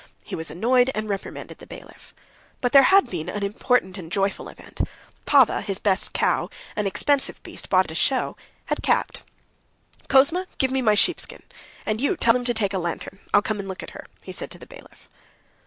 He was annoyed, and reprimanded the bailiff. But there had been an important and joyful event: Pava, his best cow, an expensive beast, bought at a show, had calved. "Kouzma, give me my sheepskin. And you tell them to take a lantern. I'll come and look at her," he said to the bailiff.